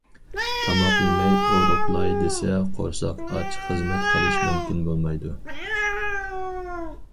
تاماق يېمەي ئورۇقلاي دېسە قورساق ئاچ خىزمەت قىلىش مۇمكىن بولمايدۇ.